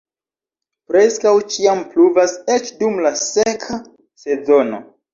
Preskaŭ ĉiam pluvas eĉ dum la seka sezono.